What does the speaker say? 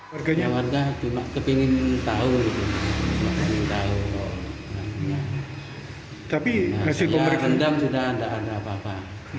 warganya ingin tahu tapi hasil pemeriksaan sudah tidak ada apa apa